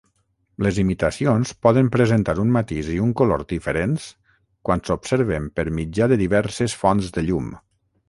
Les imitacions poden presentar un matís i un color diferents quan s'observen per mitjà de diverses fonts de llum.